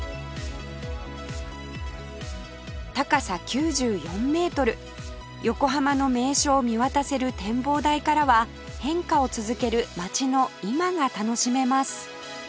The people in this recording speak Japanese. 高さ９４メートル横浜の名所を見渡せる展望台からは変化を続ける街の今が楽しめます